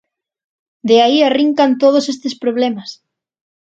De aí arrincan todos estes problemas.